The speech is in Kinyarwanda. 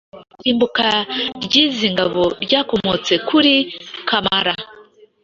Irimbuka ry’izi ngabo ryakomotse kuri Kamara